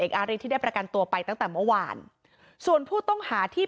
อาริที่ได้ประกันตัวไปตั้งแต่เมื่อวานส่วนผู้ต้องหาที่